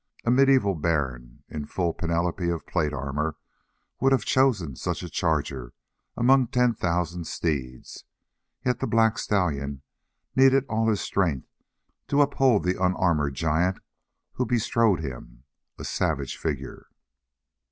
A medieval baron in full panoply of plate armor would have chosen such a charger among ten thousand steeds, yet the black stallion needed all his strength to uphold the unarmored giant who bestrode him, a savage figure.